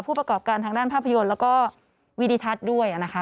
ประกอบการทางด้านภาพยนตร์แล้วก็วิดิทัศน์ด้วยนะคะ